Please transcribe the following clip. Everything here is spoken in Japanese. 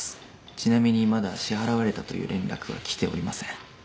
ちなみにまだ支払われたという連絡は来ておりません。